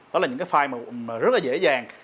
đó là những cái file rất là dễ dàng